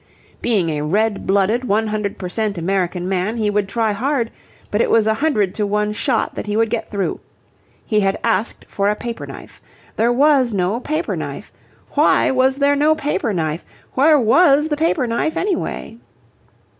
Being a red blooded, one hundred per cent American man, he would try hard, but it was a hundred to one shot that he would get through. He had asked for a paper knife. There was no paper knife. Why was there no paper knife? Where was the paper knife anyway?